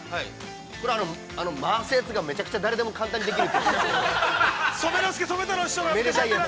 ◆これ、回すやつが、めちゃくちゃ誰でも簡単にできる。